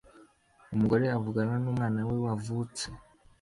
Umugore avugana numwana we wavutse